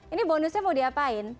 ini bonusnya mau diapain